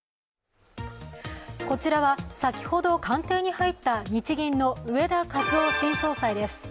こちらは先ほど官邸に入った日銀の植田和男新総裁です。